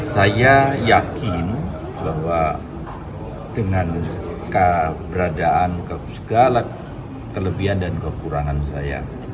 saya yakin bahwa dengan keberadaan segala kelebihan dan kekurangan saya